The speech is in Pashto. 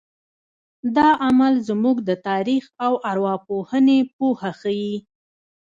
دا عمل زموږ د تاریخ او ارواپوهنې پوهه ښیي.